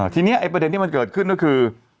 ทีนี้ประเด็นที่มันเกิดขึ้นก็คือ